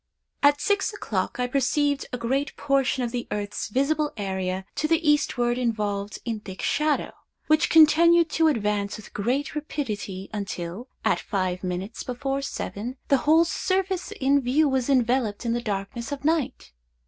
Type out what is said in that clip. "At six o'clock, I perceived a great portion of the earth's visible area to the eastward involved in thick shadow, which continued to advance with great rapidity, until, at five minutes before seven, the whole surface in view was enveloped in the darkness of night.